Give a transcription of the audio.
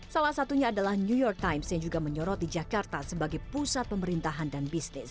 salah satunya adalah new york times yang juga menyorot di jakarta sebagai pusat pemerintahan dan bisnis